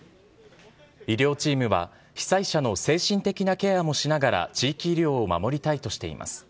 医療チームは、被災者の精神的なケアもしながら、地域医療を守りたいとしています。